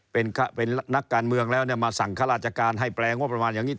เป็นนักการเมืองแล้วเนี่ยมาสั่งข้าราชการให้แปลงงบประมาณอย่างนี้